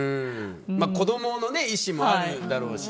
子供の意思もあるだろうし。